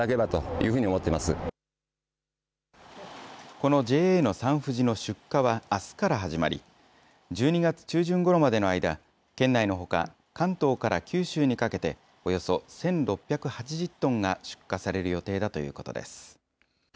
このＪＡのサンふじの出荷は、あすから始まり、１２月中旬ごろまでの間、県内のほか、関東から九州にかけて、およそ１６８０トンが出荷される予定だということです。